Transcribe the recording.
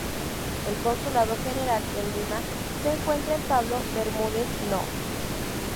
El Consulado General en Lima se encuentra en Pablo Bermúdez No.